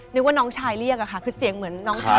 นึกว่าน้องชายเรียกอะค่ะคือเสียงเหมือนน้องชาย